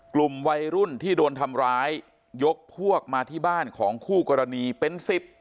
กลุ่มวัยรุ่นที่โดนทำร้ายยกพวกมาที่บ้านของคู่กรณีเป็นสิบ